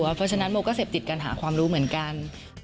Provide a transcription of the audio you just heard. เพราะฉะนั้นโมก็เสพติดการหาความรู้เหมือนกัน